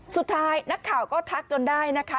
สุดท้ายนักข่าวก็ทักจนได้นะคะ